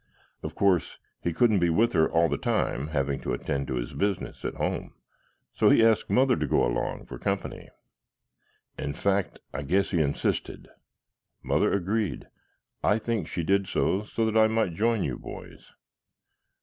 Of course he couldn't be with her all the time, having to attend to his business at home, so he asked Mother to go along for company. In fact, I guess he insisted. Mother agreed. I think she did so that I might join you boys.